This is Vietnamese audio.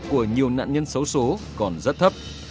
của nhiều nạn nhân xấu xố còn rất thấp